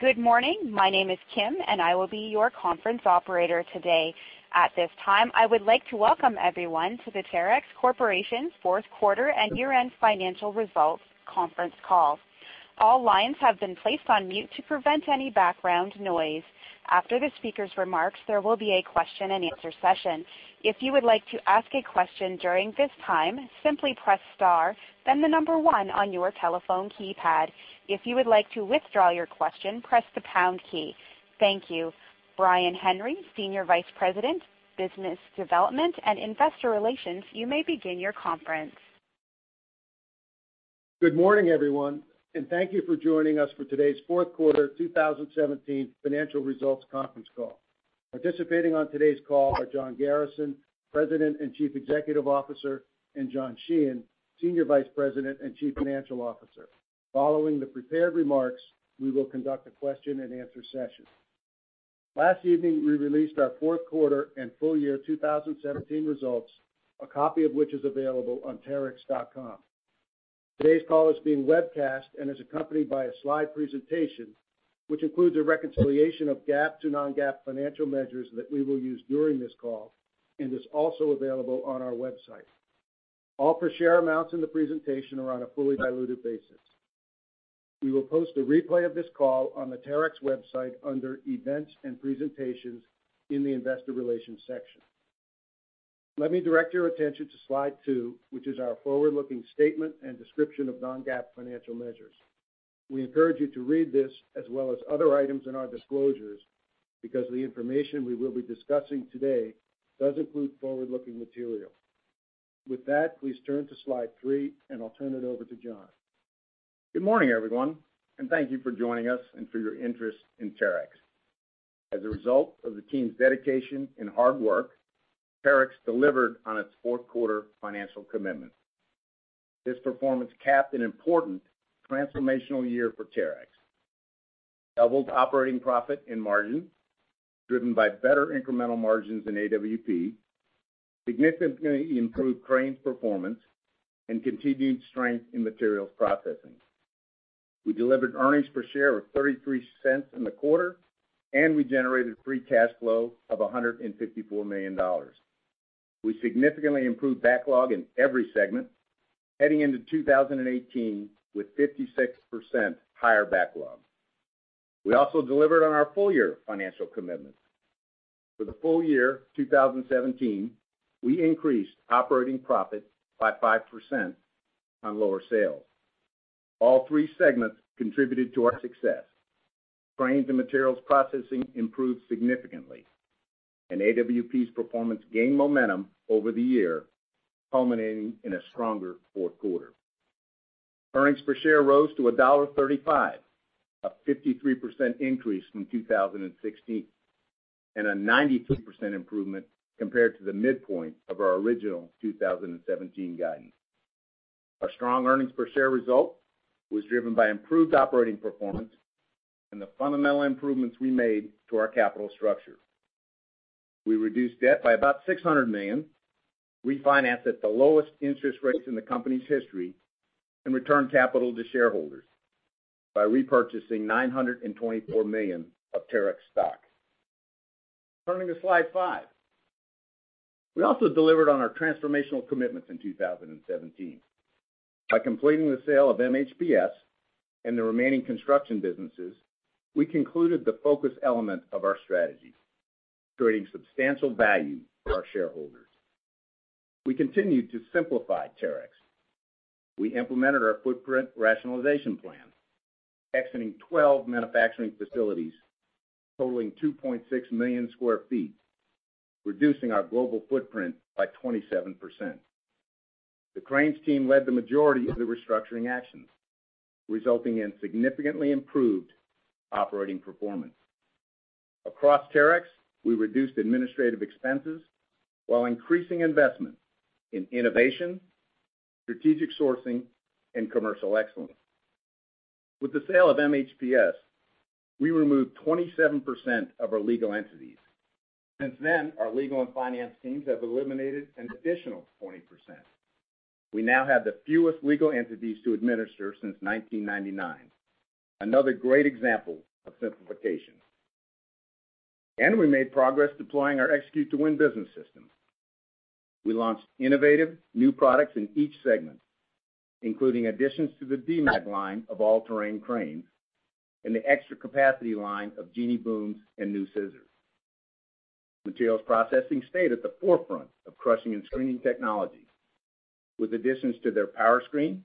Good morning. My name is Kim, and I will be your conference operator today. At this time, I would like to welcome everyone to the Terex Corporation's fourth quarter and year-end financial results conference call. All lines have been placed on mute to prevent any background noise. After the speaker's remarks, there will be a question and answer session. If you would like to ask a question during this time, simply press star then the number one on your telephone keypad. If you would like to withdraw your question, press the pound key. Thank you. Brian Henry, Senior Vice President, Business Development and Investor Relations, you may begin your conference. Good morning, everyone. Thank you for joining us for today's fourth quarter 2017 financial results conference call. Participating on today's call are John Garrison, President and Chief Executive Officer, and John Sheehan, Senior Vice President and Chief Financial Officer. Following the prepared remarks, we will conduct a question and answer session. Last evening, we released our fourth quarter and full year 2017 results, a copy of which is available on terex.com. Today's call is being webcast and is accompanied by a slide presentation, which includes a reconciliation of GAAP to non-GAAP financial measures that we will use during this call and is also available on our website. All per share amounts in the presentation are on a fully diluted basis. We will post a replay of this call on the Terex website under Events and Presentations in the Investor Relations section. Let me direct your attention to slide two, which is our forward-looking statement and description of non-GAAP financial measures. We encourage you to read this as well as other items in our disclosures because the information we will be discussing today does include forward-looking material. With that, please turn to slide three and I'll turn it over to John. Good morning, everyone. Thank you for joining us and for your interest in Terex. As a result of the team's dedication and hard work, Terex delivered on its fourth quarter financial commitment. This performance capped an important transformational year for Terex. Doubled operating profit and margin, driven by better incremental margins in AWP, significantly improved Cranes performance, and continued strength in Materials Processing. We delivered earnings per share of $0.33 in the quarter, and we generated free cash flow of $154 million. We significantly improved backlog in every segment, heading into 2018 with 56% higher backlog. We also delivered on our full-year financial commitment. For the full year 2017, we increased operating profit by 5% on lower sales. All three segments contributed to our success. Cranes and Materials Processing improved significantly, and AWP's performance gained momentum over the year, culminating in a stronger fourth quarter. Earnings per share rose to $1.35, a 53% increase from 2016. A 92% improvement compared to the midpoint of our original 2017 guidance. Our strong earnings per share result was driven by improved operating performance and the fundamental improvements we made to our capital structure. We reduced debt by about $600 million, refinanced at the lowest interest rates in the company's history, returned capital to shareholders by repurchasing $924 million of Terex stock. Turning to slide five. We also delivered on our transformational commitments in 2017. By completing the sale of MHPS and the remaining construction businesses, we concluded the focus element of our strategy, creating substantial value for our shareholders. We continued to simplify Terex. We implemented our footprint rationalization plan, exiting 12 manufacturing facilities totaling 2.6 million sq ft, reducing our global footprint by 27%. The Cranes team led the majority of the restructuring actions, resulting in significantly improved operating performance. Across Terex, we reduced administrative expenses while increasing investment in innovation, strategic sourcing, and commercial excellence. With the sale of MHPS, we removed 27% of our legal entities. Since then, our legal and finance teams have eliminated an additional 20%. We now have the fewest legal entities to administer since 1999. Another great example of simplification. We made progress deploying our Execute to Win business system. We launched innovative new products in each segment, including additions to the Demag line of all-terrain cranes and the extra capacity line of Genie booms and new scissors. Materials Processing stayed at the forefront of crushing and screening technology with additions to their Powerscreen,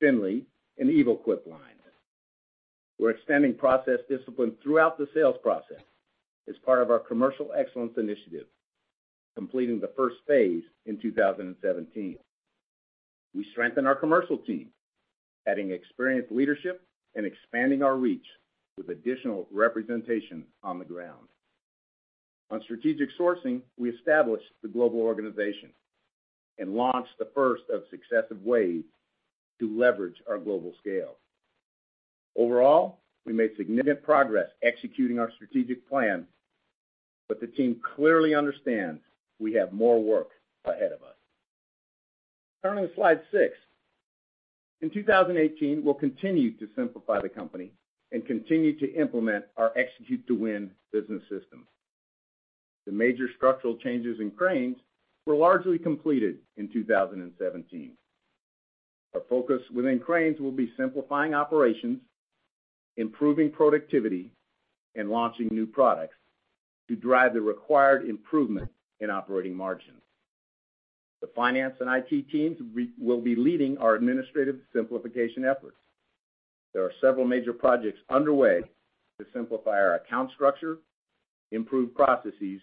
Finlay, and EvoQuip lines. We're extending process discipline throughout the sales process as part of our commercial excellence initiative, completing the first phase in 2017. We strengthened our commercial team, adding experienced leadership and expanding our reach with additional representation on the ground. On strategic sourcing, we established the global organization and launched the first of successive waves to leverage our global scale. Overall, we made significant progress executing our strategic plan. The team clearly understands we have more work ahead of us. Turning to slide six. In 2018, we'll continue to simplify the company and continue to implement our Execute to Win business system. The major structural changes in Cranes were largely completed in 2017. Our focus within Cranes will be simplifying operations, improving productivity, and launching new products to drive the required improvement in operating margins. The finance and IT teams will be leading our administrative simplification efforts. There are several major projects underway to simplify our account structure, improve processes,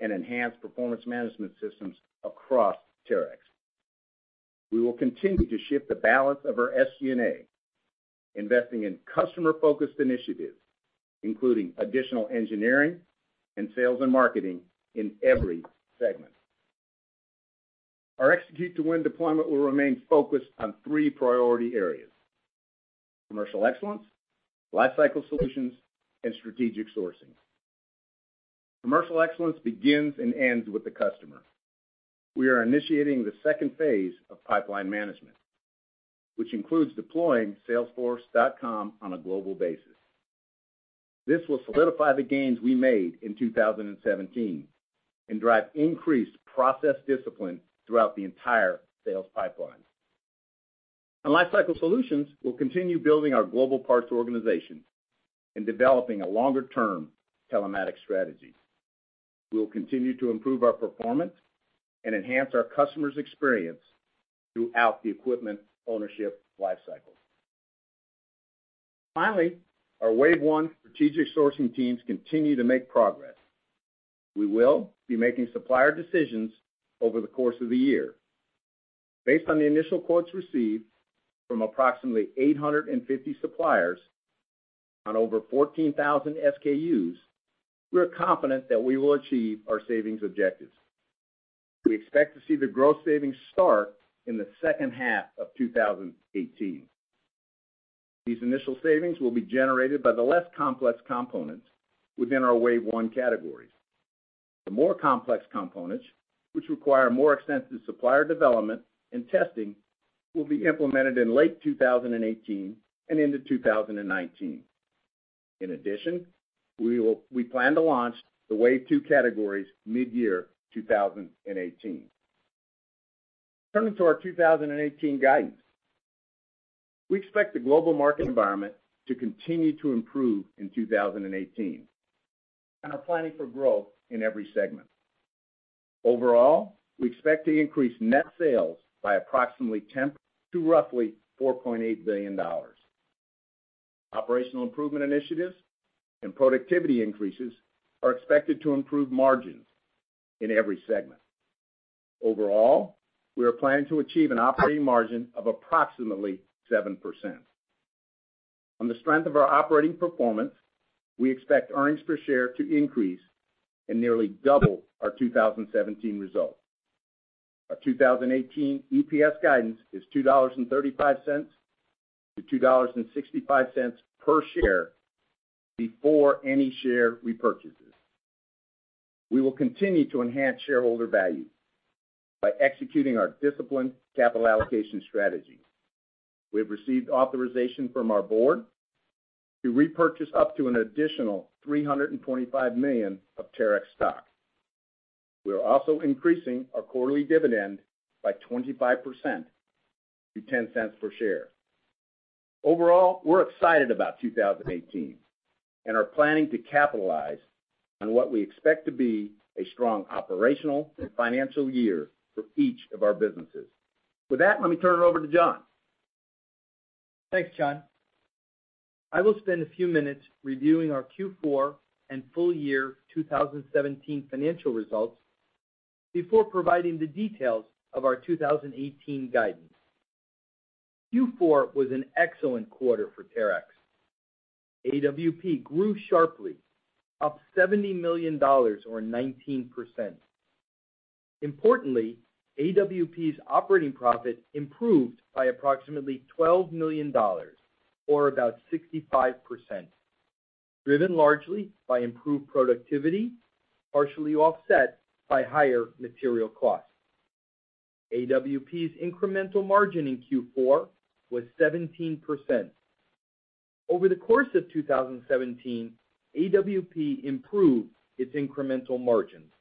and enhance performance management systems across Terex. We will continue to shift the balance of our SG&A, investing in customer-focused initiatives, including additional engineering and sales and marketing in every segment. Our Execute to Win deployment will remain focused on three priority areas, commercial excellence, lifecycle solutions, and strategic sourcing. Commercial excellence begins and ends with the customer. We are initiating the second phase of pipeline management, which includes deploying Salesforce on a global basis. This will solidify the gains we made in 2017 and drive increased process discipline throughout the entire sales pipeline. On lifecycle solutions, we'll continue building our global parts organization and developing a longer-term telematic strategy. We will continue to improve our performance and enhance our customer's experience throughout the equipment ownership lifecycle. Our Wave One strategic sourcing teams continue to make progress. We will be making supplier decisions over the course of the year. Based on the initial quotes received from approximately 850 suppliers on over 14,000 SKUs, we are confident that we will achieve our savings objectives. We expect to see the gross savings start in the second half of 2018. These initial savings will be generated by the less complex components within our Wave One categories. The more complex components, which require more extensive supplier development and testing, will be implemented in late 2018 and into 2019. In addition, we plan to launch the Wave Two categories mid-year 2018. Turning to our 2018 guidance. We expect the global market environment to continue to improve in 2018 and are planning for growth in every segment. Overall, we expect to increase net sales by approximately 10% to roughly $4.8 billion. Thanks, John. Operational improvement initiatives and productivity increases are expected to improve margins in every segment. Overall, we are planning to achieve an operating margin of approximately 7%. On the strength of our operating performance, we expect earnings per share to increase and nearly double our 2017 result. Our 2018 EPS guidance is $2.35 to $2.65 per share before any share repurchases. We will continue to enhance shareholder value by executing our disciplined capital allocation strategy. We have received authorization from our board to repurchase up to an additional $325 million of Terex stock. We are also increasing our quarterly dividend by 25% to $0.10 per share. Overall, we are excited about 2018 and are planning to capitalize on what we expect to be a strong operational and financial year for each of our businesses. With that, let me turn it over to John. Thanks, John. I will spend a few minutes reviewing our Q4 and full year 2017 financial results before providing the details of our 2018 guidance. Q4 was an excellent quarter for Terex. AWP grew sharply, up $70 million or 19%. Importantly, AWP's operating profit improved by approximately $12 million, or about 65%, driven largely by improved productivity, partially offset by higher material costs. AWP's incremental margin in Q4 was 17%. Over the course of 2017, AWP improved its incremental margins.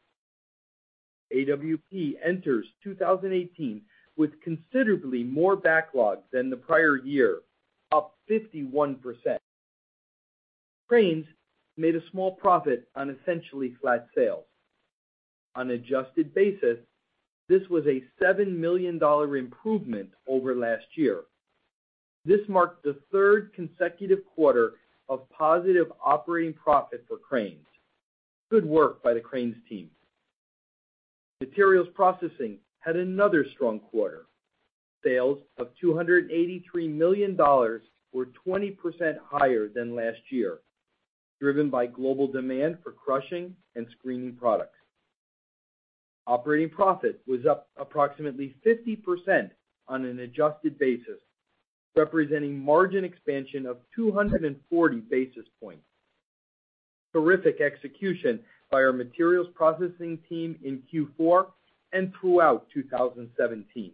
AWP enters 2018 with considerably more backlog than the prior year, up 51%. Cranes made a small profit on essentially flat sales. On an adjusted basis, this was a $7 million improvement over last year. This marked the third consecutive quarter of positive operating profit for Cranes. Good work by the Cranes team. Materials Processing had another strong quarter. Sales of $283 million were 20% higher than last year, driven by global demand for crushing and screening products. Operating profit was up approximately 50% on an adjusted basis, representing margin expansion of 240 basis points. Terrific execution by our Materials Processing team in Q4 and throughout 2017.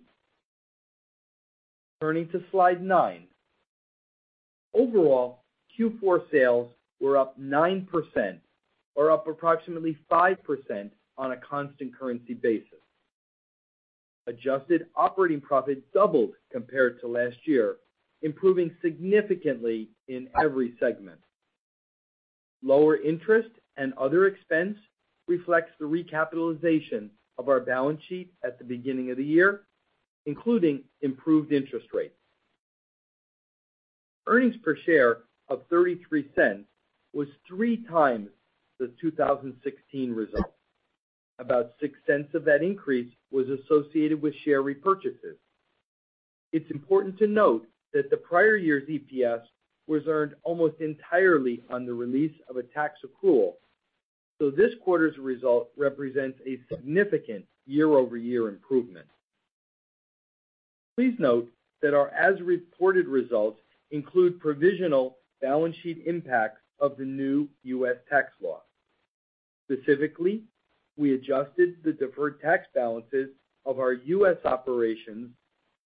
Turning to Slide nine. Overall, Q4 sales were up 9% or up approximately 5% on a constant currency basis. Adjusted operating profit doubled compared to last year, improving significantly in every segment. Lower interest and other expense reflects the recapitalization of our balance sheet at the beginning of the year, including improved interest rates. Earnings per share of $0.33 was three times the 2016 result. About $0.06 of that increase was associated with share repurchases. It's important to note that the prior year's EPS was earned almost entirely on the release of a tax accrual. This quarter's result represents a significant year-over-year improvement. Please note that our as-reported results include provisional balance sheet impacts of the new U.S. tax law. Specifically, we adjusted the deferred tax balances of our U.S. operations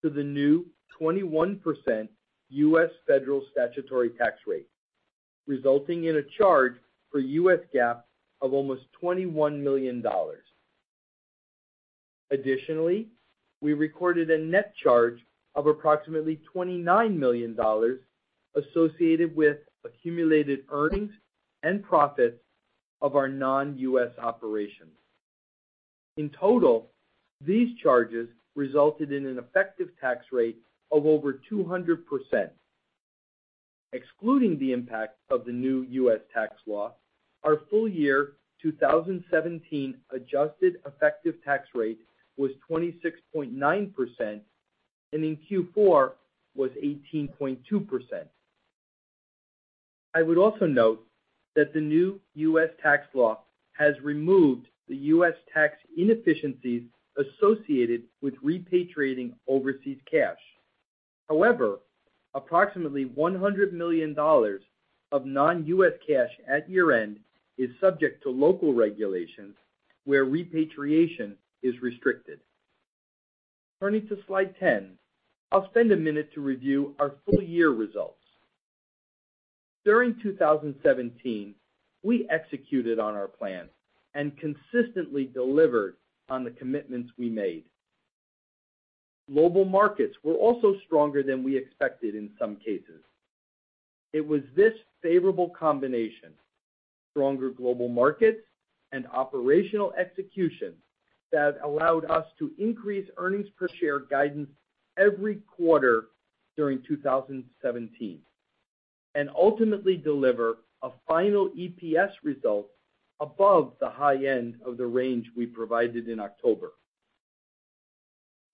to the new 21% U.S. federal statutory tax rate, resulting in a charge for U.S. GAAP of almost $21 million. Additionally, we recorded a net charge of approximately $29 million associated with accumulated earnings and profits of our non-U.S. operations. In total, these charges resulted in an effective tax rate of over 200%. Excluding the impact of the new U.S. tax law, our full year 2017 adjusted effective tax rate was 26.9%, and in Q4 was 18.2%. I would also note that the new U.S. tax law has removed the U.S. tax inefficiencies associated with repatriating overseas cash. However, approximately $100 million of non-U.S. cash at year-end is subject to local regulations where repatriation is restricted. Turning to Slide 10. I'll spend a minute to review our full year results. During 2017, we executed on our plan and consistently delivered on the commitments we made. Global markets were also stronger than we expected in some cases. It was this favorable combination, stronger global markets, and operational execution that allowed us to increase earnings per share guidance every quarter during 2017, and ultimately deliver a final EPS result above the high end of the range we provided in October.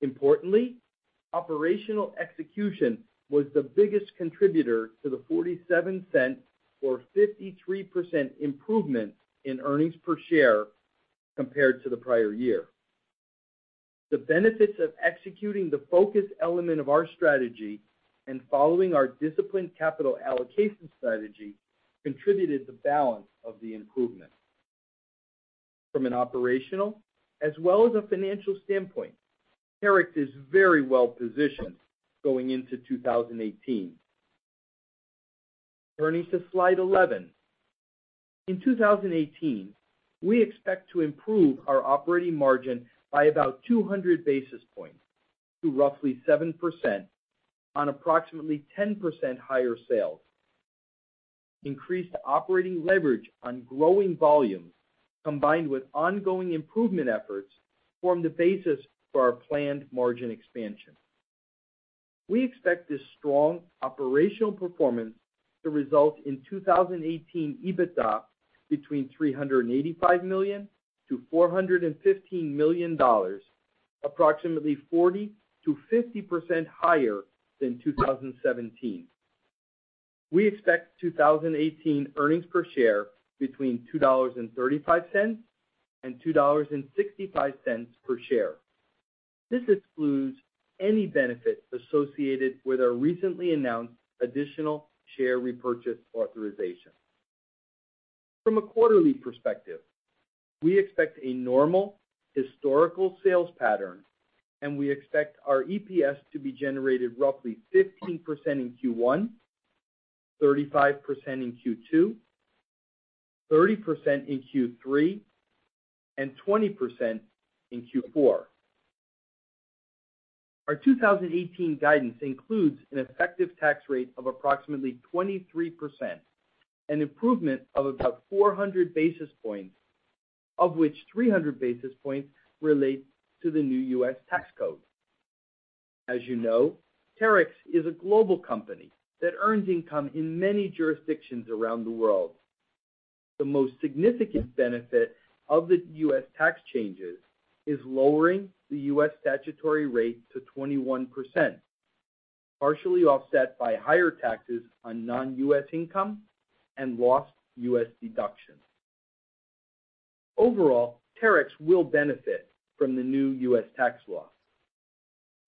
Importantly, operational execution was the biggest contributor to the $0.47 or 53% improvement in earnings per share compared to the prior year. The benefits of executing the focus element of our strategy and following our disciplined capital allocation strategy contributed the balance of the improvement. From an operational as well as a financial standpoint, Terex is very well-positioned going into 2018. Turning to Slide 11. In 2018, we expect to improve our operating margin by about 200 basis points to roughly 7% on approximately 10% higher sales. Increased operating leverage on growing volumes, combined with ongoing improvement efforts, form the basis for our planned margin expansion. We expect this strong operational performance to result in 2018 EBITDA between $385 million-$415 million, approximately 40%-50% higher than 2017. We expect 2018 earnings per share between $2.35 and $2.65 per share. This excludes any benefit associated with our recently announced additional share repurchase authorization. From a quarterly perspective, we expect a normal historical sales pattern. We expect our EPS to be generated roughly 15% in Q1, 35% in Q2, 30% in Q3, and 20% in Q4. Our 2018 guidance includes an effective tax rate of approximately 23%, an improvement of about 400 basis points, of which 300 basis points relate to the new U.S. tax code. As you know, Terex is a global company that earns income in many jurisdictions around the world. The most significant benefit of the U.S. tax changes is lowering the U.S. statutory rate to 21%, partially offset by higher taxes on non-U.S. income and lost U.S. deductions. Overall, Terex will benefit from the new U.S. tax law.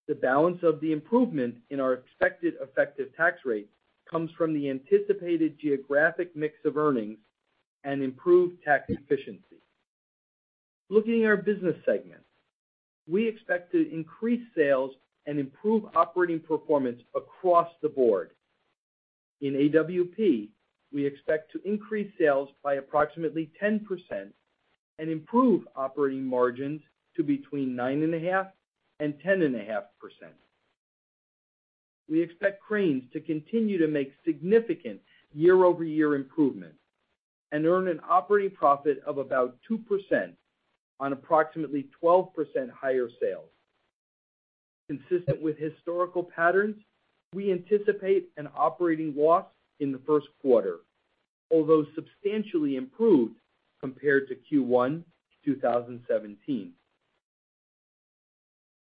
The balance of the improvement in our expected effective tax rate comes from the anticipated geographic mix of earnings and improved tax efficiency. Looking at our business segments, we expect to increase sales and improve operating performance across the board. In AWP, we expect to increase sales by approximately 10% and improve operating margins to between 9.5% and 10.5%. We expect Cranes to continue to make significant year-over-year improvement and earn an operating profit of about 2% on approximately 12% higher sales. Consistent with historical patterns, we anticipate an operating loss in the first quarter, although substantially improved compared to Q1 2017.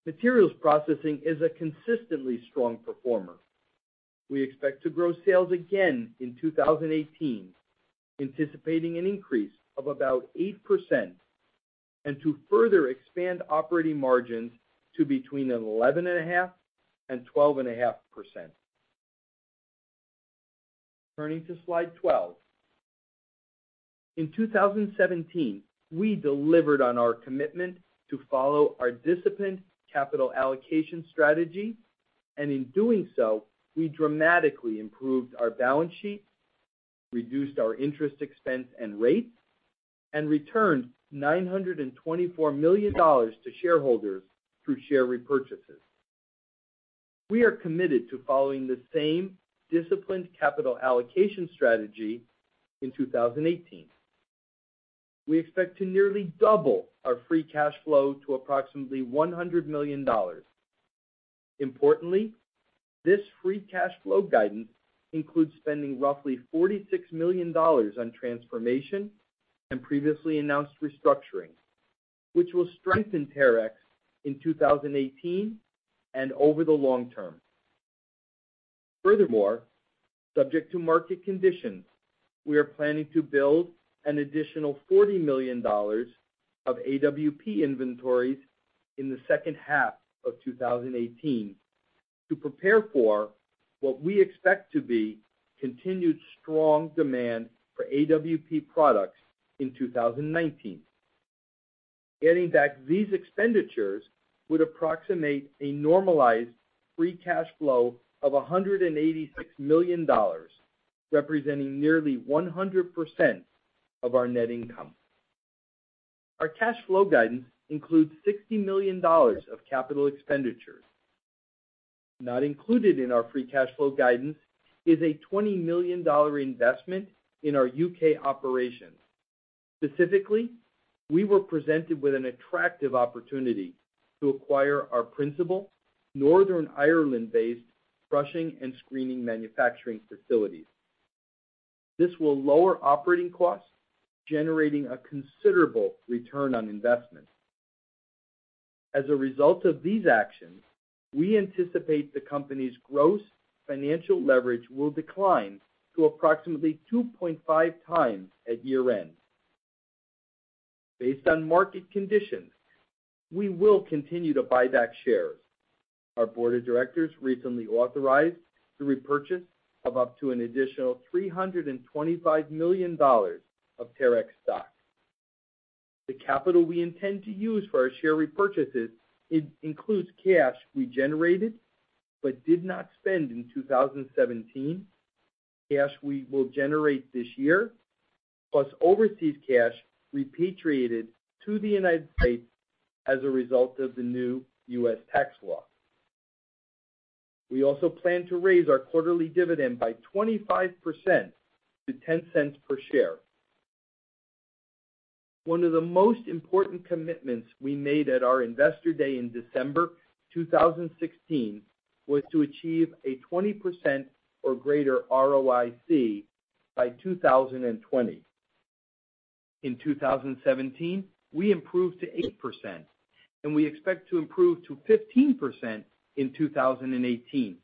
Materials Processing is a consistently strong performer. We expect to grow sales again in 2018, anticipating an increase of about 8% and to further expand operating margins to between 11.5% and 12.5%. Turning to slide 12. In 2017, we delivered on our commitment to follow our disciplined capital allocation strategy. In doing so, we dramatically improved our balance sheet, reduced our interest expense and rates, and returned $924 million to shareholders through share repurchases. We are committed to following the same disciplined capital allocation strategy in 2018. We expect to nearly double our free cash flow to approximately $100 million. Importantly, this free cash flow guidance includes spending roughly $46 million on transformation and previously announced restructuring, which will strengthen Terex in 2018 and over the long term. Furthermore, subject to market conditions, we are planning to build an additional $40 million of AWP inventories in the second half of 2018 to prepare for what we expect to be continued strong demand for AWP products in 2019. Getting back, these expenditures would approximate a normalized free cash flow of $186 million, representing nearly 100% of our net income. Our cash flow guidance includes $60 million of capital expenditures. Not included in our free cash flow guidance is a $20 million investment in our U.K. operations. Specifically, we were presented with an attractive opportunity to acquire our principal Northern Ireland-based crushing and screening manufacturing facilities. This will lower operating costs, generating a considerable return on investment. As a result of these actions, we anticipate the company's gross financial leverage will decline to approximately 2.5x at year-end. Based on market conditions, we will continue to buy back shares. Our board of directors recently authorized the repurchase of up to an additional $325 million of Terex stock. The capital we intend to use for our share repurchases includes cash we generated but did not spend in 2017, cash we will generate this year, plus overseas cash repatriated to the United States as a result of the new U.S. tax law. We also plan to raise our quarterly dividend by 25% to $0.10 per share. One of the most important commitments we made at our Investor Day in December 2016 was to achieve a 20% or greater ROIC by 2020. In 2017, we improved to 8%, and we expect to improve to 15% in 2018.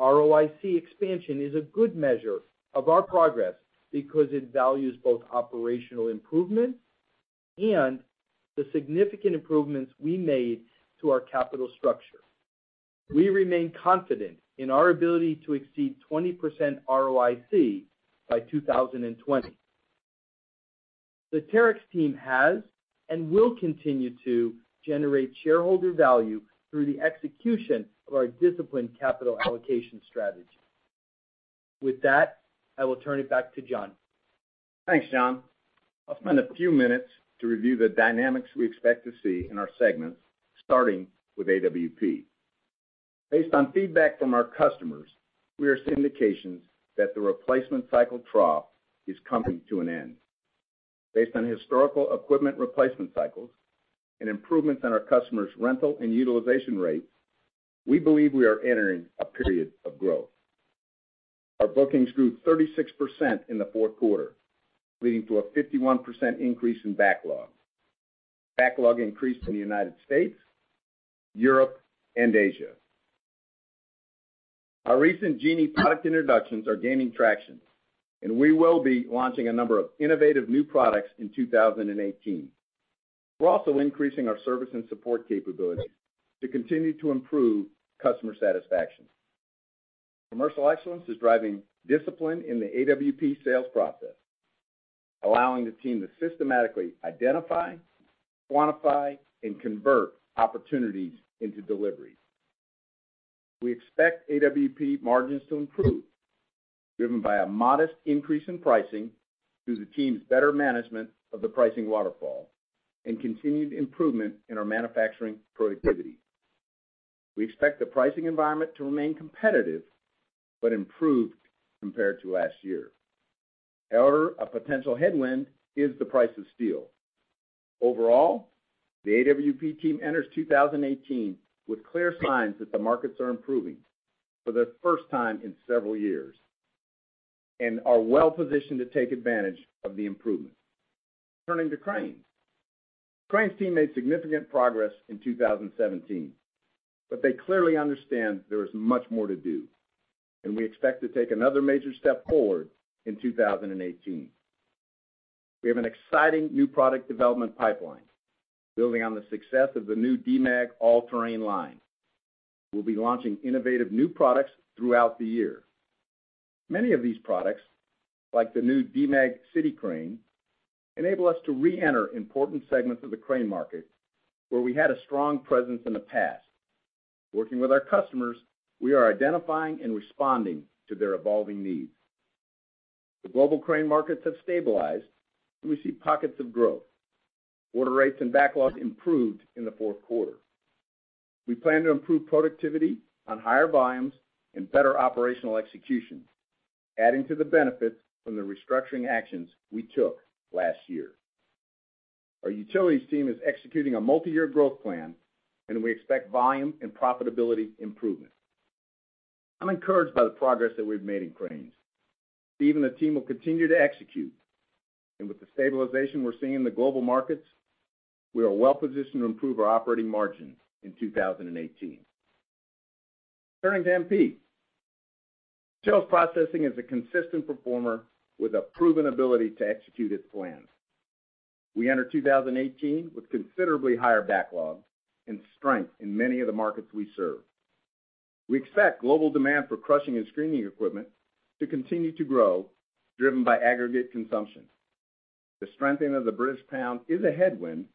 ROIC expansion is a good measure of our progress because it values both operational improvement and the significant improvements we made to our capital structure. We remain confident in our ability to exceed 20% ROIC by 2020. The Terex team has and will continue to generate shareholder value through the execution of our disciplined capital allocation strategy. With that, I will turn it back to John. Thanks, John. I'll spend a few minutes to review the dynamics we expect to see in our segments, starting with AWP. Based on feedback from our customers, we are seeing indications that the replacement cycle trough is coming to an end. Based on historical equipment replacement cycles and improvements in our customers' rental and utilization rates, we believe we are entering a period of growth. Our bookings grew 36% in the fourth quarter, leading to a 51% increase in backlog. Backlog increased in the United States, Europe, and Asia. Our recent Genie product introductions are gaining traction, and we will be launching a number of innovative new products in 2018. We're also increasing our service and support capabilities to continue to improve customer satisfaction. Commercial excellence is driving discipline in the AWP sales process, allowing the team to systematically identify, quantify, and convert opportunities into deliveries. We expect AWP margins to improve, driven by a modest increase in pricing through the team's better management of the pricing waterfall, and continued improvement in our manufacturing productivity. We expect the pricing environment to remain competitive, but improved compared to last year. However, a potential headwind is the price of steel. Overall, the AWP team enters 2018 with clear signs that the markets are improving for the first time in several years, and are well-positioned to take advantage of the improvement. Turning to Cranes. Cranes team made significant progress in 2017, but they clearly understand there is much more to do, and we expect to take another major step forward in 2018. We have an exciting new product development pipeline, building on the success of the new Demag All Terrain line. We'll be launching innovative new products throughout the year. Many of these products, like the new Demag City Crane, enable us to re-enter important segments of the crane market where we had a strong presence in the past. Working with our customers, we are identifying and responding to their evolving needs. The global crane markets have stabilized, and we see pockets of growth. Order rates and backlogs improved in the fourth quarter. We plan to improve productivity on higher volumes and better operational execution, adding to the benefits from the restructuring actions we took last year. Our utilities team is executing a multi-year growth plan, and we expect volume and profitability improvement. I'm encouraged by the progress that we've made in Cranes. I believe the team will continue to execute, and with the stabilization we're seeing in the global markets, we are well positioned to improve our operating margin in 2018. Turning to MP. Materials Processing is a consistent performer with a proven ability to execute its plans. We enter 2018 with considerably higher backlogs and strength in many of the markets we serve. We expect global demand for crushing and screening equipment to continue to grow, driven by aggregate consumption. The strengthening of the British pound is a headwind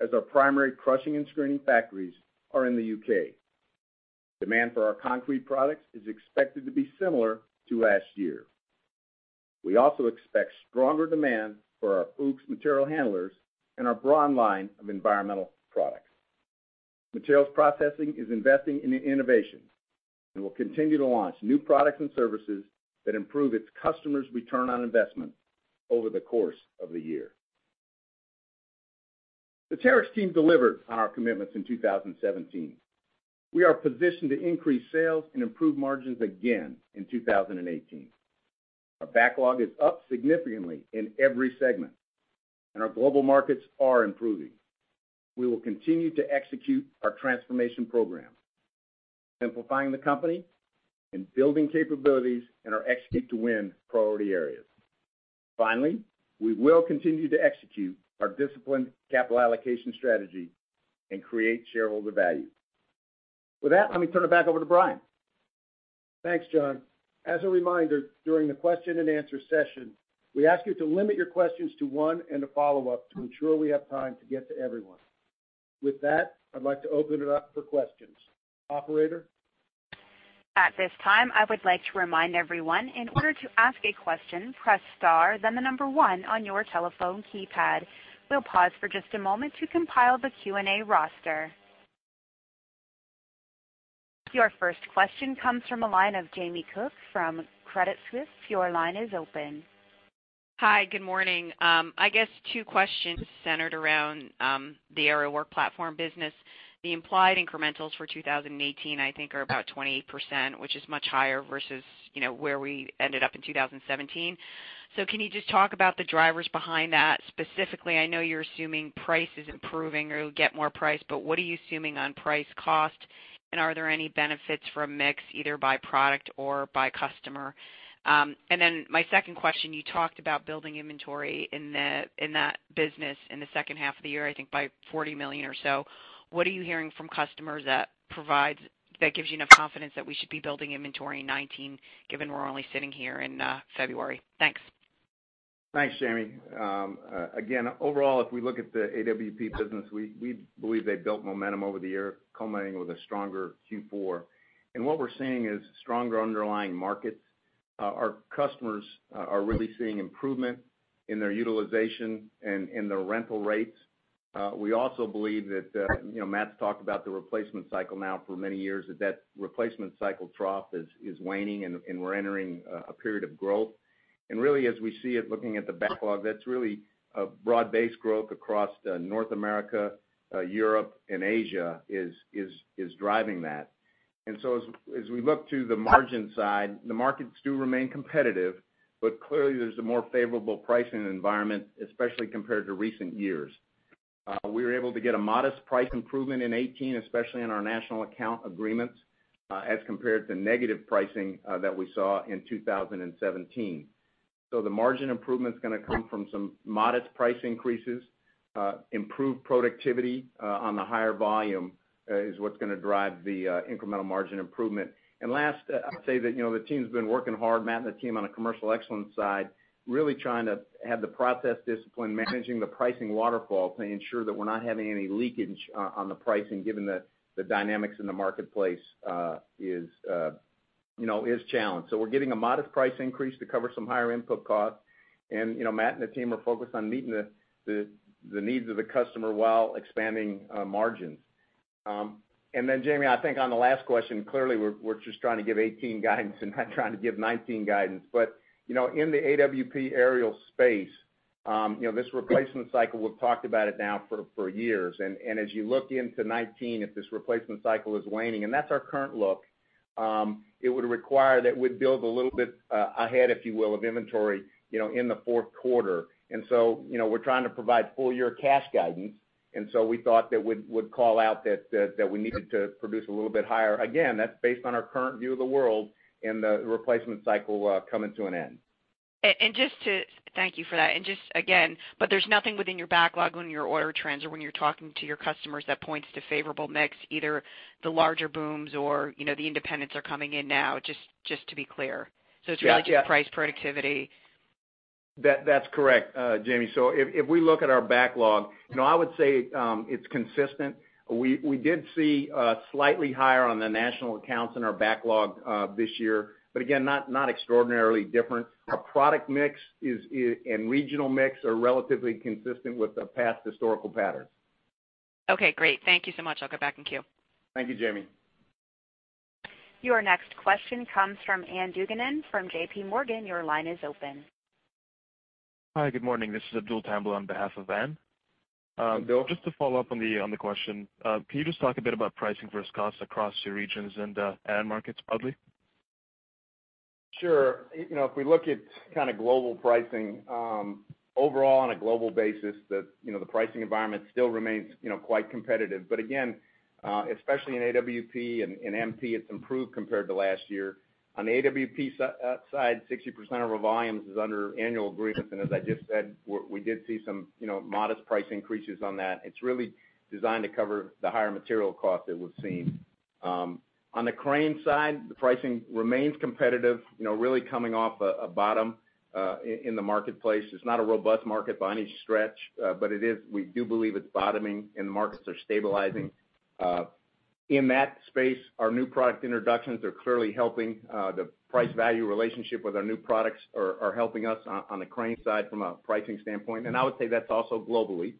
as our primary crushing and screening factories are in the U.K. Demand for our concrete products is expected to be similar to last year. We also expect stronger demand for our Fuchs material handlers and our broad line of environmental products. Materials Processing is investing in innovation and will continue to launch new products and services that improve its customers' return on investment over the course of the year. The Terex team delivered on our commitments in 2017. We are positioned to increase sales and improve margins again in 2018. Our backlog is up significantly in every segment. Our global markets are improving. We will continue to execute our transformation program, simplifying the company and building capabilities in our Execute to Win priority areas. We will continue to execute our disciplined capital allocation strategy and create shareholder value. With that, let me turn it back over to Brian. Thanks, John. As a reminder, during the question and answer session, we ask you to limit your questions to one and a follow-up to ensure we have time to get to everyone. With that, I'd like to open it up for questions. Operator? At this time, I would like to remind everyone, in order to ask a question, press star then the number one on your telephone keypad. We will pause for just a moment to compile the Q&A roster. Your first question comes from the line of Jamie Cook from Credit Suisse. Your line is open. Hi. Good morning. I guess two questions centered around the Aerial Work Platform business. The implied incrementals for 2018, I think, are about 28%, which is much higher versus where we ended up in 2017. Can you just talk about the drivers behind that? Specifically, I know you're assuming price is improving or you'll get more price, but what are you assuming on price cost? Are there any benefits from mix, either by product or by customer? My second question, you talked about building inventory in that business in the second half of the year, I think by $40 million or so. What are you hearing from customers that gives you enough confidence that we should be building inventory in 2019, given we're only sitting here in February? Thanks. Thanks, Jamie. Overall, if we look at the AWP business, we believe they built momentum over the year culminating with a stronger Q4. What we're seeing is stronger underlying markets. Our customers are really seeing improvement in their utilization and in their rental rates. We also believe that Matt's talked about the replacement cycle now for many years, that replacement cycle trough is waning and we're entering a period of growth. Really as we see it looking at the backlog, that's really a broad-based growth across North America, Europe, and Asia is driving that. As we look to the margin side, the markets do remain competitive, but clearly there's a more favorable pricing environment, especially compared to recent years. We were able to get a modest price improvement in 2018, especially in our national account agreements, as compared to negative pricing that we saw in 2017. The margin improvement's going to come from some modest price increases. Improved productivity on the higher volume is what's going to drive the incremental margin improvement. Last, I would say that the team's been working hard, Matt and the team on the commercial excellence side, really trying to have the process discipline, managing the pricing waterfall to ensure that we're not having any leakage on the pricing, given that the dynamics in the marketplace is challenged. We're getting a modest price increase to cover some higher input costs. Matt and the team are focused on meeting the needs of the customer while expanding margins. Jamie, I think on the last question, clearly we're just trying to give 2018 guidance and not trying to give 2019 guidance. In the AWP aerial space, this replacement cycle, we've talked about it now for years. As you look into 2019, if this replacement cycle is waning, and that's our current look, it would require that we build a little bit ahead, if you will, of inventory in the fourth quarter. We're trying to provide full-year cash guidance. We thought that we'd call out that we needed to produce a little bit higher. Again, that's based on our current view of the world and the replacement cycle coming to an end. Thank you for that. Just again, there's nothing within your backlog, in your order trends, or when you're talking to your customers that points to favorable mix, either the larger booms or the independents are coming in now, just to be clear. Yeah. It's really just price productivity. That's correct, Jamie. If we look at our backlog, I would say it's consistent. We did see slightly higher on the national accounts in our backlog this year, but again, not extraordinarily different. Our product mix and regional mix are relatively consistent with the past historical patterns. Okay, great. Thank you so much. I'll go back in queue. Thank you, Jamie. Your next question comes from Ann Duignan from JP Morgan. Your line is open. Hi, good morning. This is Abdul Tambla on behalf of Ann. Go ahead. Just to follow up on the question. Can you just talk a bit about pricing versus costs across your regions and end markets broadly? Sure. If we look at global pricing, overall on a global basis, the pricing environment still remains quite competitive. Again, especially in AWP and MP, it's improved compared to last year. On the AWP side, 60% of our volumes is under annual agreements, and as I just said, we did see some modest price increases on that. It's really designed to cover the higher material cost that we've seen. On the crane side, the pricing remains competitive, really coming off a bottom in the marketplace. It's not a robust market by any stretch, but we do believe it's bottoming and the markets are stabilizing. In that space, our new product introductions are clearly helping. The price-value relationship with our new products are helping us on the crane side from a pricing standpoint. I would say that's also globally.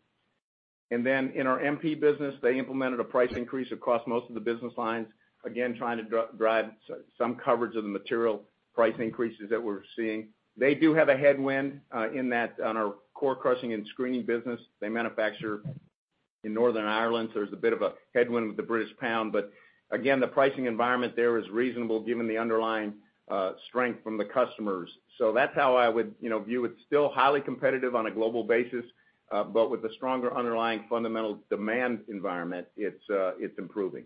In our MP business, they implemented a price increase across most of the business lines, again, trying to drive some coverage of the material price increases that we're seeing. They do have a headwind in that on our core crushing and screening business. They manufacture in Northern Ireland, so there's a bit of a headwind with the British pound. Again, the pricing environment there is reasonable given the underlying strength from the customers. That's how I would view it. Still highly competitive on a global basis. With a stronger underlying fundamental demand environment, it's improving.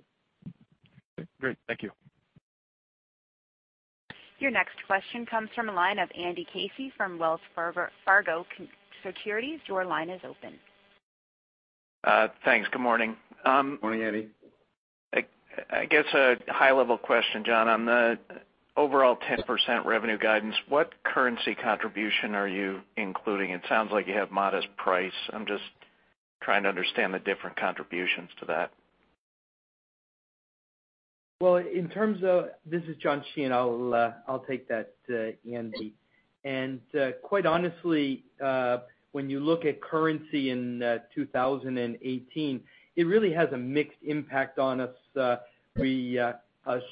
Okay, great. Thank you. Your next question comes from the line of Andy Casey from Wells Fargo Securities. Your line is open. Thanks. Good morning. Morning, Andy. I guess a high-level question, John. On the overall 10% revenue guidance, what currency contribution are you including? It sounds like you have modest price. I am just trying to understand the different contributions to that. Well, this is John Sheehan, I'll take that, Andy. Quite honestly, when you look at currency in 2018, it really has a mixed impact on us. A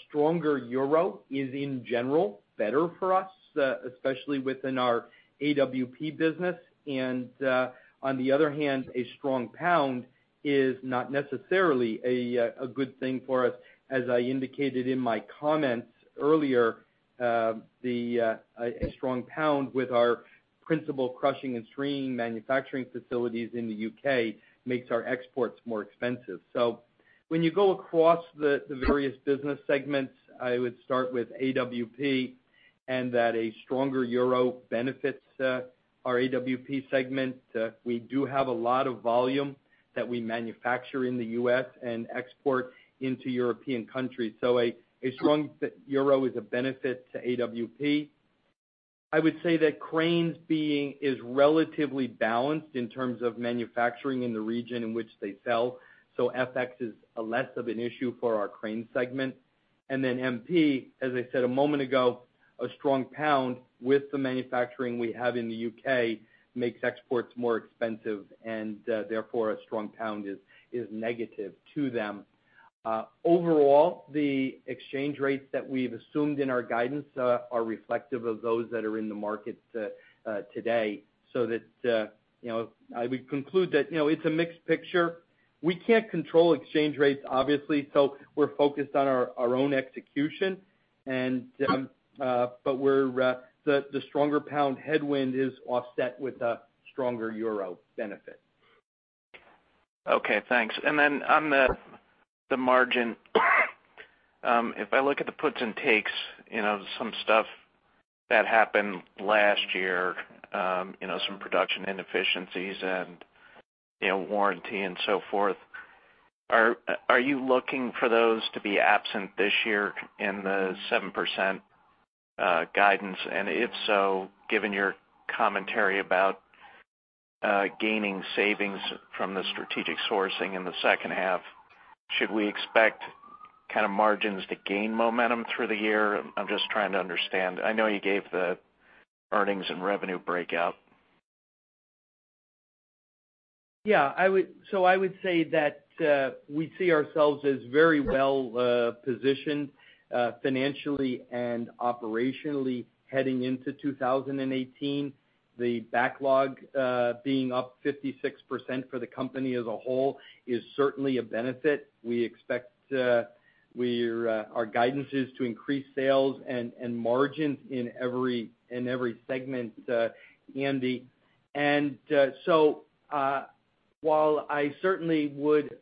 stronger EUR is, in general, better for us, especially within our AWP business. On the other hand, a strong GBP is not necessarily a good thing for us. As I indicated in my comments earlier, a strong GBP with our principal crushing and screening manufacturing facilities in the U.K. makes our exports more expensive. When you go across the various business segments, I would start with AWP and that a stronger EUR benefits our AWP segment. We do have a lot of volume that we manufacture in the U.S. and export into European countries. A strong EUR is a benefit to AWP. I would say that Cranes is relatively balanced in terms of manufacturing in the region in which they sell. FX is less of an issue for our Cranes segment. MP, as I said a moment ago, a strong GBP with the manufacturing we have in the U.K. makes exports more expensive, therefore a strong GBP is negative to them. Overall, the exchange rates that we've assumed in our guidance are reflective of those that are in the market today. I would conclude that it's a mixed picture. We can't control exchange rates, obviously, we're focused on our own execution. The stronger GBP headwind is offset with a stronger EUR benefit. Okay, thanks. On the margin, if I look at the puts and takes, some stuff that happened last year, some production inefficiencies and warranty and so forth. Are you looking for those to be absent this year in the 7% guidance? If so, given your commentary about gaining savings from the strategic sourcing in the second half, should we expect kind of margins to gain momentum through the year? I'm just trying to understand. I know you gave the earnings and revenue breakout. Yeah. I would say that we see ourselves as very well positioned financially and operationally heading into 2018. The backlog being up 56% for the company as a whole is certainly a benefit. We expect our guidances to increase sales and margins in every segment, Andy. While I certainly would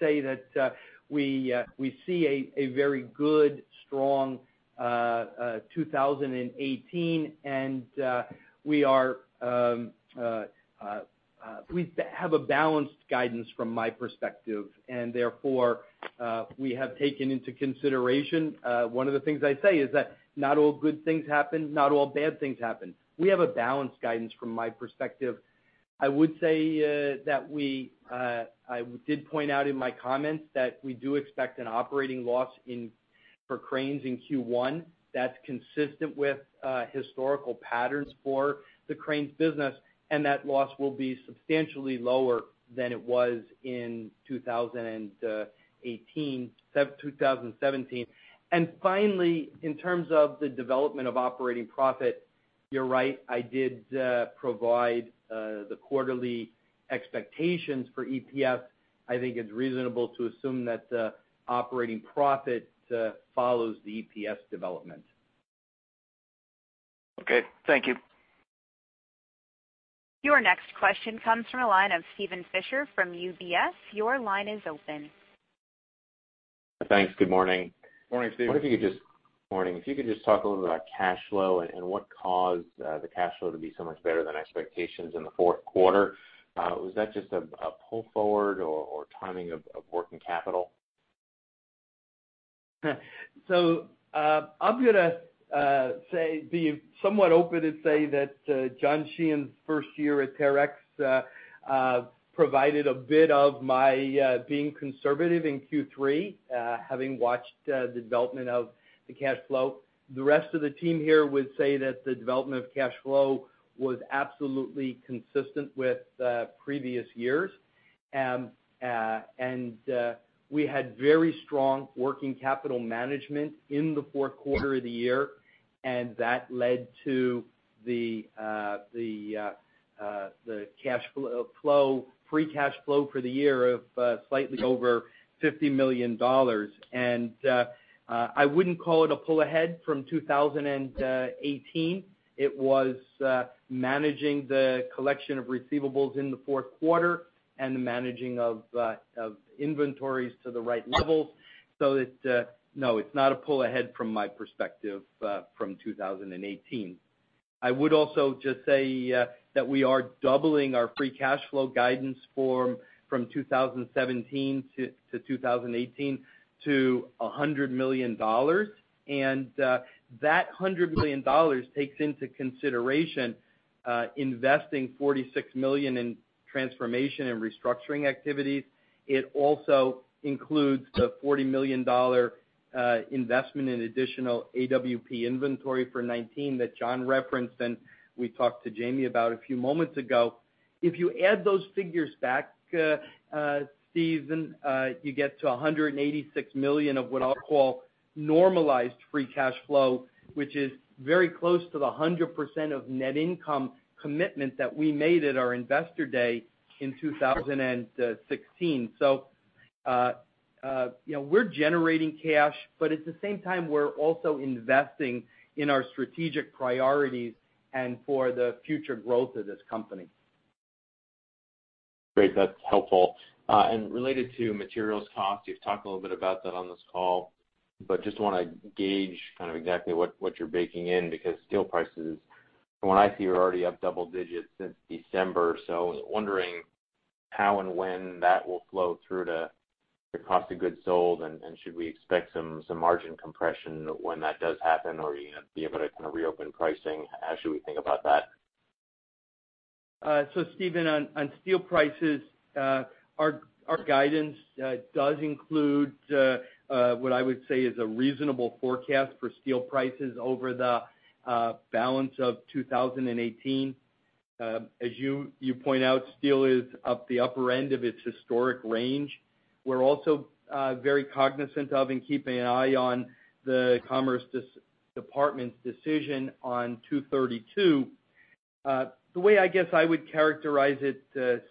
say that we see a very good, strong 2018, we have a balanced guidance from my perspective, therefore, we have taken into consideration, one of the things I say is that not all good things happen, not all bad things happen. We have a balanced guidance from my perspective. I would say that I did point out in my comments that we do expect an operating loss for Cranes in Q1. That's consistent with historical patterns for the Cranes business, and that loss will be substantially lower than it was in 2017. Finally, in terms of the development of operating profit, you're right, I did provide the quarterly expectations for EPS. I think it's reasonable to assume that the operating profit follows the EPS development. Okay. Thank you. Your next question comes from the line of Steven Fisher from UBS. Your line is open. Thanks. Good morning. Morning, Steven. Wondering if you could just talk a little bit about cash flow and what caused the cash flow to be so much better than expectations in the fourth quarter. Was that just a pull forward or timing of working capital? I'm going to be somewhat open and say that John Sheehan's first year at Terex provided a bit of my being conservative in Q3, having watched the development of the cash flow. The rest of the team here would say that the development of cash flow was absolutely consistent with previous years. We had very strong working capital management in the fourth quarter of the year, and that led to the free cash flow for the year of slightly over $50 million. I wouldn't call it a pull ahead from 2018. It was managing the collection of receivables in the fourth quarter and the managing of inventories to the right levels. No, it's not a pull ahead from my perspective from 2018. I would also just say that we are doubling our free cash flow guidance from 2017 to 2018 to $100 million. That $100 million takes into consideration investing $46 million in transformation and restructuring activities. It also includes the $40 million investment in additional AWP inventory for 2019 that John referenced, and we talked to Jamie about a few moments ago. If you add those figures back, Steven, you get to $186 million of what I'll call normalized free cash flow, which is very close to the 100% of net income commitment that we made at our investor day in 2016. We're generating cash, but at the same time, we're also investing in our strategic priorities and for the future growth of this company. Great. That's helpful. Related to materials cost, you've talked a little bit about that on this call, but just want to gauge kind of exactly what you're baking in because steel prices, from what I see, are already up double digits since December. I was wondering how and when that will flow through to the cost of goods sold, and should we expect some margin compression when that does happen, or are you going to be able to kind of reopen pricing? How should we think about that? Steven, on steel prices, our guidance does include what I would say is a reasonable forecast for steel prices over the balance of 2018. As you point out, steel is up the upper end of its historic range. We're also very cognizant of and keeping an eye on the Commerce Department's decision on 232. The way I would characterize it,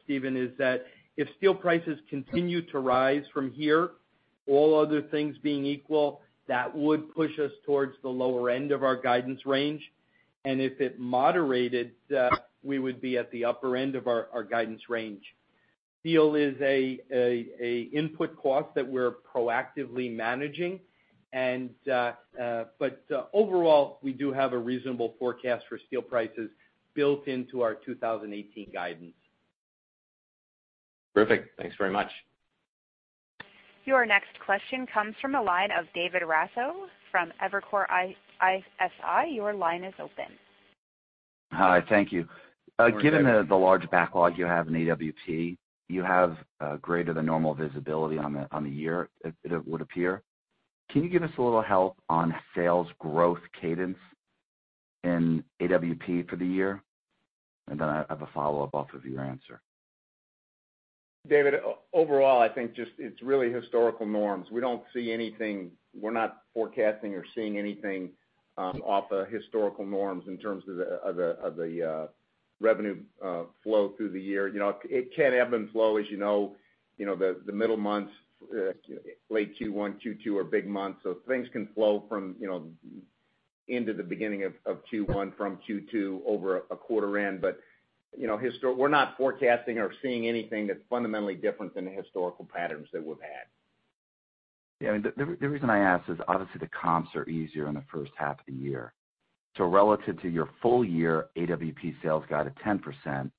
Steven, is that if steel prices continue to rise from here, all other things being equal, that would push us towards the lower end of our guidance range. If it moderated, we would be at the upper end of our guidance range. Steel is an input cost that we're proactively managing, but overall, we do have a reasonable forecast for steel prices built into our 2018 guidance. Perfect. Thanks very much. Your next question comes from the line of David Raso from Evercore ISI. Your line is open. Hi, thank you. Good morning, David. Given the large backlog you have in AWP, you have greater than normal visibility on the year, it would appear. Can you give us a little help on sales growth cadence in AWP for the year? Then I have a follow-up off of your answer. David, overall, I think just it's really historical norms. We're not forecasting or seeing anything off of historical norms in terms of the revenue flow through the year. It can ebb and flow, as you know, the middle months, late Q1, Q2 are big months, so things can flow from end to the beginning of Q1 from Q2 over a quarter end. We're not forecasting or seeing anything that's fundamentally different than the historical patterns that we've had. Yeah. The reason I ask is obviously the comps are easier in the first half of the year. Relative to your full year AWP sales guide of 10%,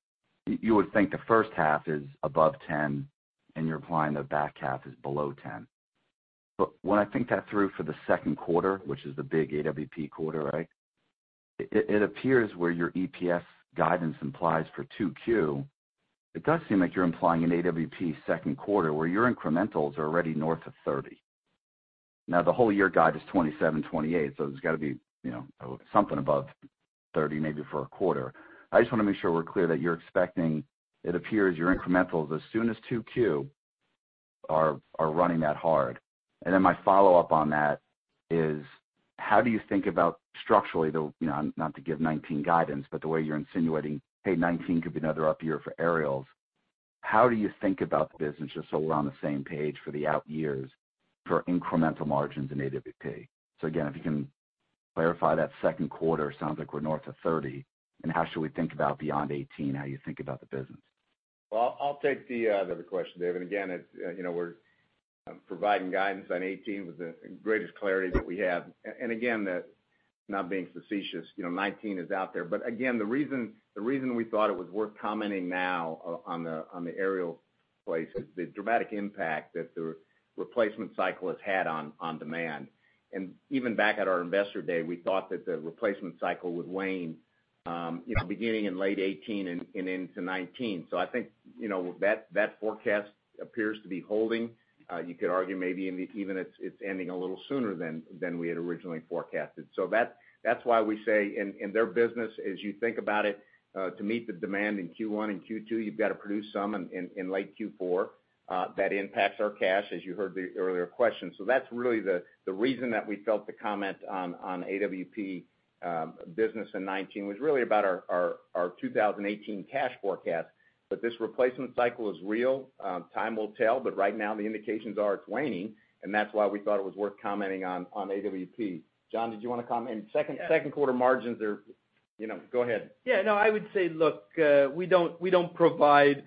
you would think the first half is above 10, and you're implying the back half is below 10. When I think that through for the second quarter, which is the big AWP quarter, it appears where your EPS guidance implies for 2Q, it does seem like you're implying an AWP second quarter where your incrementals are already north of 30. Now, the whole year guide is 27, 28, so there's got to be something above 30, maybe for a quarter. I just want to make sure we're clear that you're expecting it appears your incrementals as soon as 2Q are running that hard. My follow-up on that is, how do you think about structurally, not to give '19 guidance, but the way you're insinuating, hey, '19 could be another up year for aerials. How do you think about the business just so we're on the same page for the out years for incremental margins in AWP? Again, if you can clarify that second quarter, sounds like we're north of 30, and how should we think about beyond '18, how you think about the business? Well, I'll take the other question, David. Again, we're providing guidance on '18 with the greatest clarity that we have. Again, not being facetious, '19 is out there. Again, the reason we thought it was worth commenting now on the aerial place is the dramatic impact that the replacement cycle has had on demand. Even back at our investor day, we thought that the replacement cycle would wane beginning in late '18 and into '19. I think that forecast appears to be holding. You could argue maybe even it's ending a little sooner than we had originally forecasted. That's why we say in their business, as you think about it, to meet the demand in Q1 and Q2, you've got to produce some in late Q4. That impacts our cash, as you heard the earlier question. That's really the reason that we felt the comment on AWP business in 2019 was really about our 2018 cash forecast. This replacement cycle is real. Time will tell, but right now the indications are it's waning, and that's why we thought it was worth commenting on AWP. John, did you want to comment? Second quarter margins. Go ahead. Yeah, no, I would say, look, we don't provide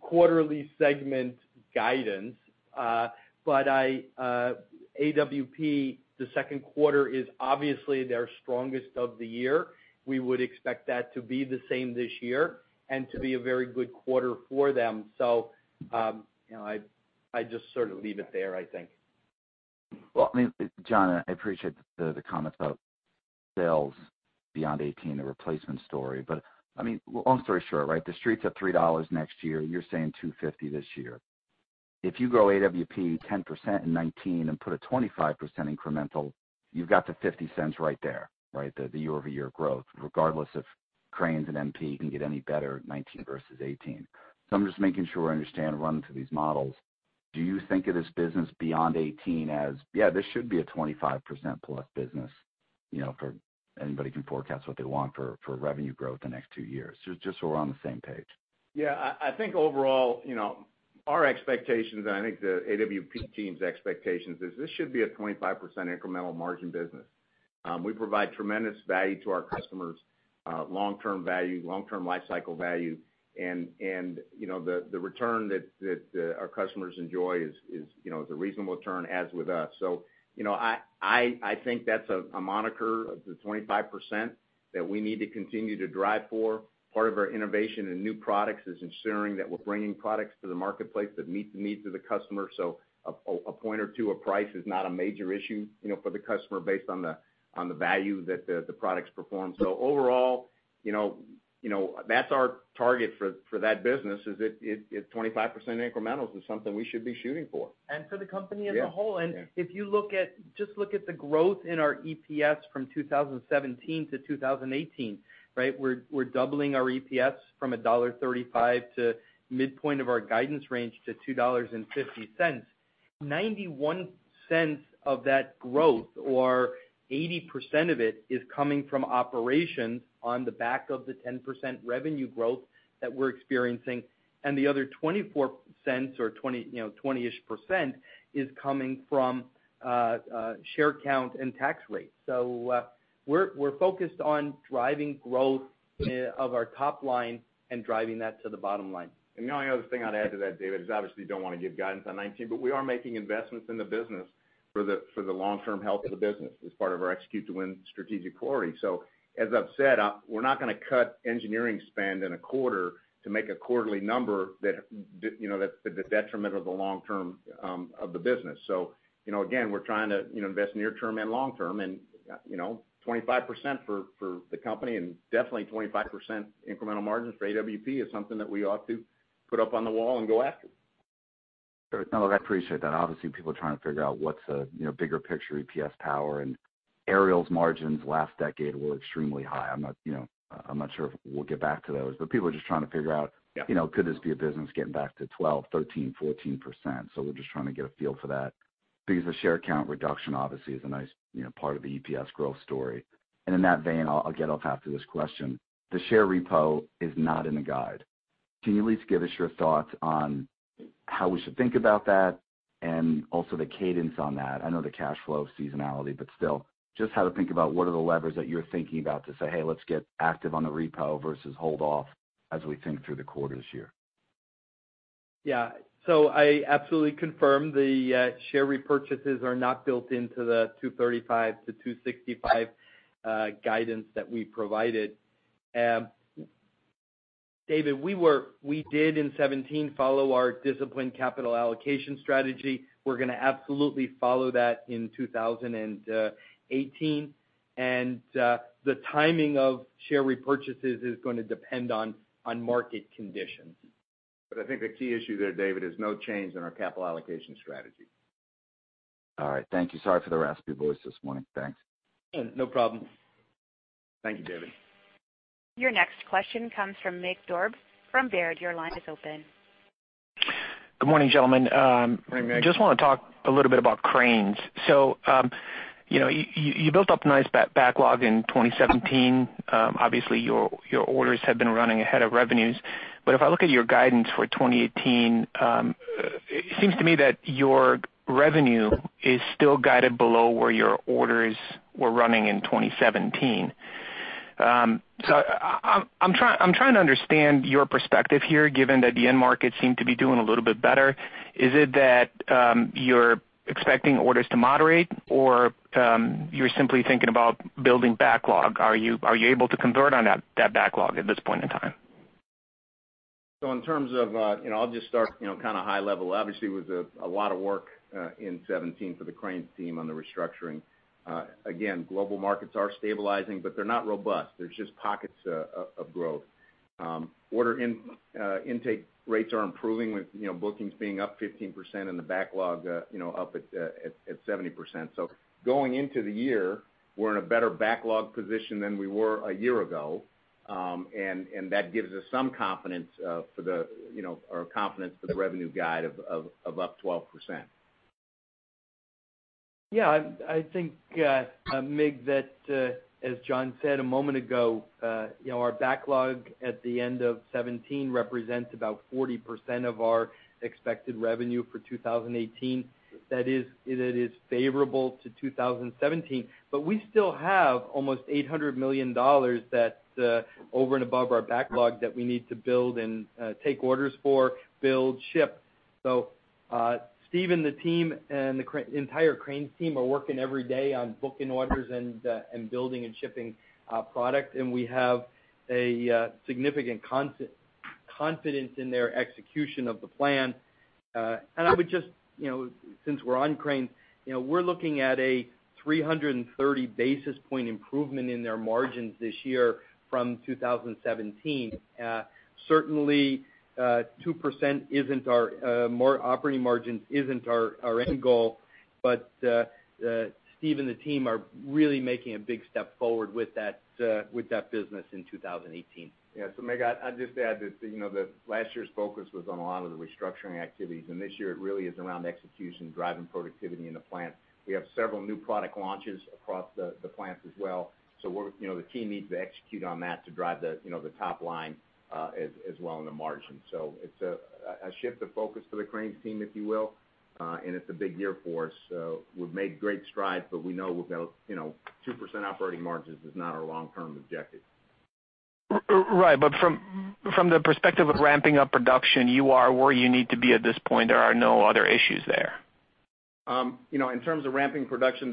quarterly segment guidance. AWP, the second quarter is obviously their strongest of the year. We would expect that to be the same this year and to be a very good quarter for them. I just sort of leave it there, I think. Well, John, I appreciate the comments about sales beyond 2018, the replacement story. Long story short, The Street's at $3 next year. You're saying $2.50 this year. If you grow AWP 10% in 2019 and put a 25% incremental, you've got the $0.50 right there. The year-over-year growth, regardless if Cranes and MP can get any better at 2019 versus 2018. I'm just making sure I understand running through these models. Do you think of this business beyond 2018 as, yeah, this should be a 25% plus business, for anybody can forecast what they want for revenue growth the next two years? Just so we're on the same page. Yeah, I think overall, our expectations and I think the AWP team's expectations is this should be a 25% incremental margin business. We provide tremendous value to our customers, long-term value, long-term life cycle value, and the return that our customers enjoy is a reasonable return as with us. I think that's a moniker of the 25% that we need to continue to drive for. Part of our innovation and new products is ensuring that we're bringing products to the marketplace that meet the needs of the customer. A point or two of price is not a major issue for the customer based on the value that the products perform. Overall, that's our target for that business, is 25% incremental is something we should be shooting for. For the company as a whole. Yeah. If you just look at the growth in our EPS from 2017 to 2018. We're doubling our EPS from $1.35 to midpoint of our guidance range to $2.50. $0.91 of that growth or 80% of it is coming from operations on the back of the 10% revenue growth that we're experiencing, and the other $0.24 or 20-ish% is coming from share count and tax rate. We're focused on driving growth of our top line and driving that to the bottom line. The only other thing I'd add to that, David, is obviously, don't want to give guidance on 2019, but we are making investments in the business for the long-term health of the business as part of our Execute to Win strategic priority. As I've said, we're not going to cut engineering spend in a quarter to make a quarterly number to the detriment of the long-term of the business. Again, we're trying to invest near term and long term, and 25% for the company and definitely 25% incremental margins for AWP is something that we ought to put up on the wall and go after. No, look, I appreciate that. Obviously, people are trying to figure out what's a bigger picture EPS power and Aerial's margins last decade were extremely high. I'm not sure if we'll get back to those, but people are just trying to figure out. Yeah could this be a business getting back to 12%, 13%, 14%? We're just trying to get a feel for that, because the share count reduction obviously is a nice part of the EPS growth story. In that vein, I'll get off after this question. The share repo is not in the guide. Can you at least give us your thoughts on how we should think about that and also the cadence on that? I know the cash flow seasonality, but still, just how to think about what are the levers that you're thinking about to say, "Hey, let's get active on the repo versus hold off as we think through the quarters here. Yeah. I absolutely confirm the share repurchases are not built into the $2.35-$2.65 guidance that we provided. David, we did in 2017 follow our disciplined capital allocation strategy. We're going to absolutely follow that in 2018, the timing of share repurchases is going to depend on market conditions. I think the key issue there, David, is no change in our capital allocation strategy. All right. Thank you. Sorry for the raspy voice this morning. Thanks. No problem. Thank you, David. Your next question comes from Mig Dobre from Baird. Your line is open. Good morning, gentlemen. Morning, Mig. Just want to talk a little bit about cranes. You built up nice backlog in 2017. Obviously, your orders have been running ahead of revenues. If I look at your guidance for 2018, it seems to me that your revenue is still guided below where your orders were running in 2017. I'm trying to understand your perspective here, given that the end markets seem to be doing a little bit better. Is it that you're expecting orders to moderate, or you're simply thinking about building backlog? Are you able to convert on that backlog at this point in time? In terms of, I'll just start kind of high level. Obviously, it was a lot of work in 2017 for the cranes team on the restructuring. Again, global markets are stabilizing, but they're not robust. There's just pockets of growth. Order intake rates are improving with bookings being up 15% and the backlog up at 70%. Going into the year, we're in a better backlog position than we were a year ago, and that gives us some confidence for the revenue guide of up 12%. Yeah. I think, Mig, that as John said a moment ago, our backlog at the end of 2017 represents about 40% of our expected revenue for 2018. That is favorable to 2017. We still have almost $800 million that's over and above our backlog that we need to build and take orders for, build, ship. Steve and the team and the entire cranes team are working every day on booking orders and building and shipping product, and we have a significant confidence in their execution of the plan. I would just, since we're on cranes, we're looking at a 330 basis point improvement in their margins this year from 2017. Certainly, 2% operating margin isn't our end goal, but Steve and the team are really making a big step forward with that business in 2018. Yeah. Mig, I'd just add that last year's focus was on a lot of the restructuring activities, and this year it really is around execution, driving productivity in the plant. We have several new product launches across the plants as well. The team needs to execute on that to drive the top line as well in the margin. It's a shift of focus for the cranes team, if you will, and it's a big year for us. We've made great strides, but we know 2% operating margins is not our long-term objective. Right. From the perspective of ramping up production, you are where you need to be at this point. There are no other issues there. In terms of ramping production,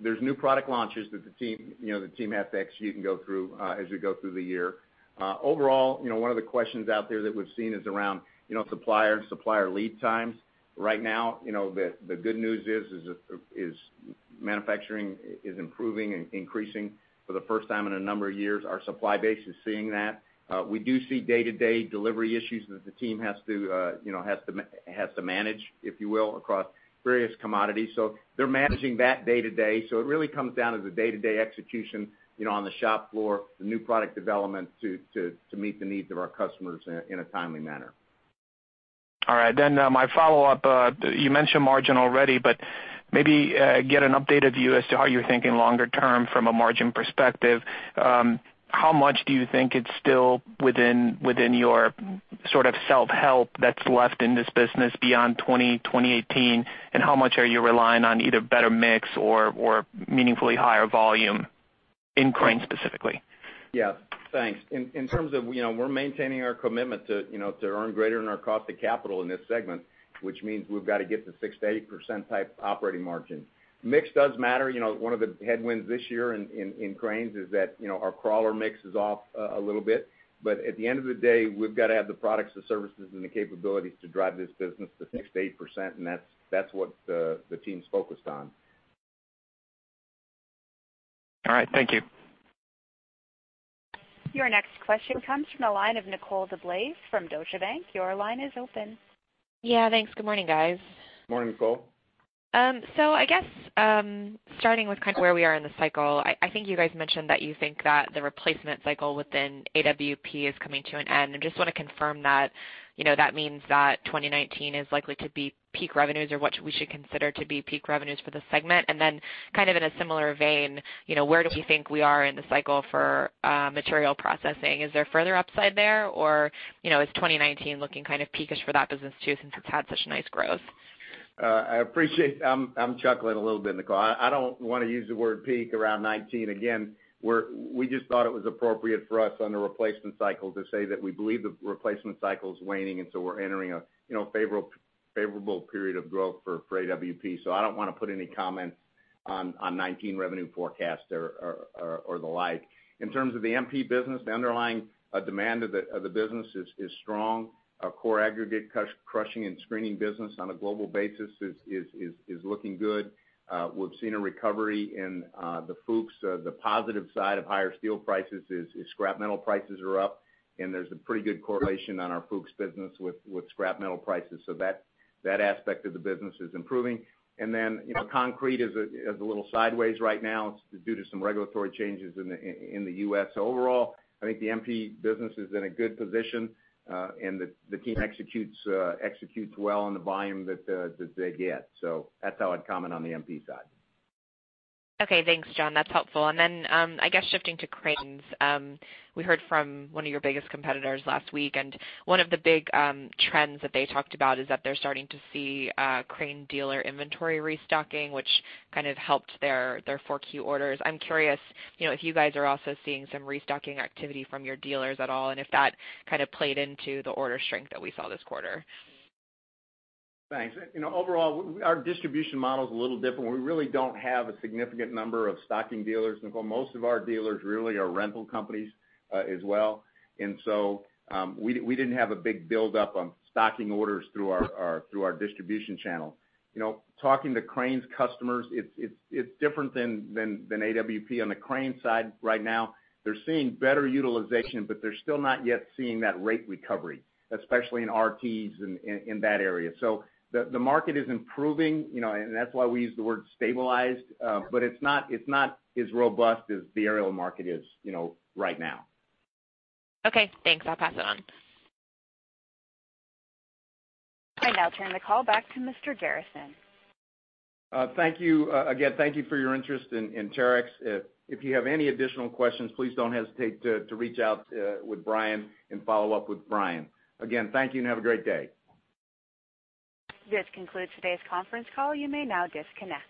there's new product launches that the team has to execute and go through as we go through the year. Overall, one of the questions out there that we've seen is around supplier lead times. Right now, the good news is manufacturing is improving and increasing for the first time in a number of years. Our supply base is seeing that. We do see day-to-day delivery issues that the team has to manage, if you will, across various commodities. They're managing that day to day. It really comes down to the day-to-day execution on the shop floor, the new product development to meet the needs of our customers in a timely manner. All right. My follow-up, you mentioned margin already, but maybe get an updated view as to how you're thinking longer term from a margin perspective. How much do you think it's still within your sort of self-help that's left in this business beyond 2018? How much are you relying on either better mix or meaningfully higher volume in crane specifically? Thanks. We're maintaining our commitment to earn greater than our cost of capital in this segment, which means we've got to get to 6%-8% type operating margin. Mix does matter. One of the headwinds this year in Cranes is that our crawler mix is off a little bit. At the end of the day, we've got to have the products, the services, and the capabilities to drive this business to 6%-8%, and that's what the team's focused on. All right. Thank you. Your next question comes from the line of Nicole DeBlase from Deutsche Bank. Your line is open. Yeah. Thanks. Good morning, guys. Morning, Nicole. Starting with kind of where we are in the cycle, I think you guys mentioned that you think that the replacement cycle within AWP is coming to an end. I just want to confirm that means that 2019 is likely to be peak revenues or what we should consider to be peak revenues for the segment. Then kind of in a similar vein, where do we think we are in the cycle for Material Processing? Is there further upside there or is 2019 looking kind of peak-ish for that business too since it's had such nice growth? I appreciate. I'm chuckling a little bit, Nicole. I don't want to use the word peak around 2019 again, we just thought it was appropriate for us on the replacement cycle to say that we believe the replacement cycle is waning and so we're entering a favorable period of growth for AWP. I don't want to put any comments on 2019 revenue forecast or the like. In terms of the MP business, the underlying demand of the business is strong. Our core aggregate crushing and screening business on a global basis is looking good. We've seen a recovery in the Fuchs. The positive side of higher steel prices is scrap metal prices are up and there's a pretty good correlation on our Fuchs business with scrap metal prices. That aspect of the business is improving. Concrete is a little sideways right now due to some regulatory changes in the U.S. Overall, I think the MP business is in a good position, and the team executes well on the volume that they get. That's how I'd comment on the MP side. Okay. Thanks, John. That's helpful. I guess shifting to cranes. We heard from one of your biggest competitors last week. One of the big trends that they talked about is that they're starting to see crane dealer inventory restocking, which kind of helped their 4Q orders. I'm curious if you guys are also seeing some restocking activity from your dealers at all. If that kind of played into the order strength that we saw this quarter. Thanks. Overall, our distribution model is a little different. We really don't have a significant number of stocking dealers, Nicole. Most of our dealers really are rental companies as well. We didn't have a big buildup on stocking orders through our distribution channel. Talking to cranes customers, it's different than AWP on the crane side right now. They're seeing better utilization. They're still not yet seeing that rate recovery, especially in RTs in that area. The market is improving. That's why we use the word stabilized. It's not as robust as the aerial market is right now. Okay, thanks. I'll pass it on. I now turn the call back to Mr. Garrison. Thank you. Again, thank you for your interest in Terex. If you have any additional questions, please don't hesitate to reach out with Brian and follow up with Brian. Again, thank you and have a great day. This concludes today's conference call. You may now disconnect.